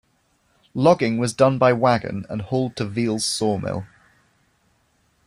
Logging was done by wagon and hauled to Veal's sawmill.